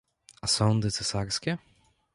A sądy cesarskie?